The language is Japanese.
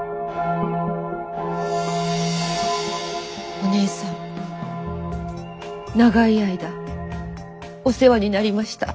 お姉さん長い間お世話になりました。